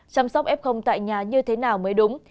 chăm sóc f tại nhà như thế nào mới đúng